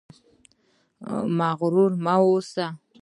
مغرور مه اوسئ